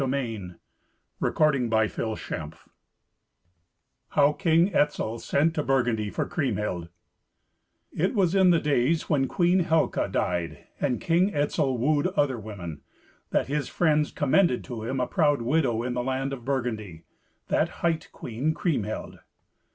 Book II Twentieth Adventure How King Etzel Sent to Burgundy for Kriemhild It was in the days when Queen Helca died, and King Etzel wooed other women, that his friends commended to him a proud widow in the land of Burgundy, that hight Queen Kriemhild.